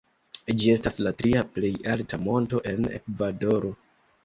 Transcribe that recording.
Ĝi estas la tria plej alta monto en Ekvadoro.